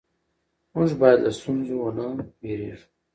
موږ باید له ستونزو ونه وېرېږو